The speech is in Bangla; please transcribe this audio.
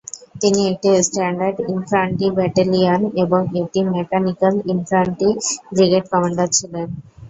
তিনি একটি স্ট্যান্ডার্ড ইনফ্যান্ট্রি ব্যাটালিয়ন এবং একটি মেকানিক্যাল ইনফ্যান্ট্রি ব্রিগেড কমান্ডার ছিলেন।